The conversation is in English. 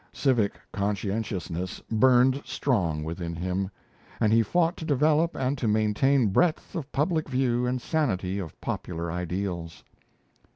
Civic conscientiousness burned strong within him; and he fought to develop and to maintain breadth of public view and sanity of popular ideals.